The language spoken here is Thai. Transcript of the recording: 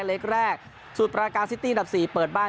เล็กสูตรปราการซิฏตี้ดับสี่เปิดบ้าน